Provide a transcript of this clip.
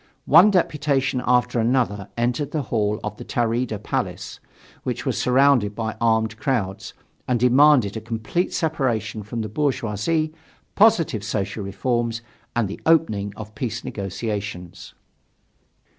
One deputation after another entered the hall of the Taurida Palace, which was surrounded by armed crowds, and demanded a complete separation from the bourgeoisie, positive social reforms, and the opening of peace negotiations.